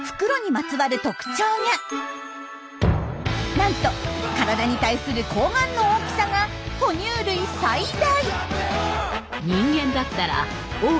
なんと体に対する睾丸の大きさが哺乳類最大！